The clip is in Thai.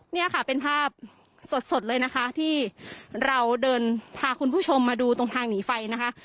เนี่ยค่ะเป็นภาพสดเลยนะคะที่เราเดินพาคุณผู้ชมมาดูตรงทางหนีไฟนะคะ